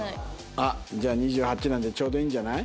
あっじゃあ２８なんでちょうどいいんじゃない？